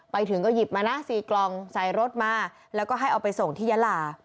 ไปถึงก็หยิบมานะ๔กล่องใส่รถมาแล้วก็ให้เอาไปส่งที่ยาลา